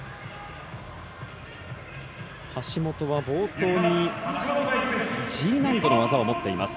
橋本は、冒頭にＧ難度の技を持っています。